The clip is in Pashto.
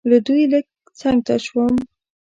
له دوی لږ څنګ ته شوم.